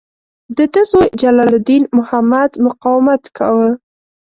د ده زوی جلال الدین محمد مقاومت کاوه.